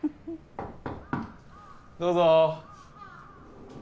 どうぞ。